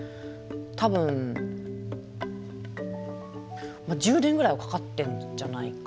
多分１０年ぐらいはかかってるんじゃないかな。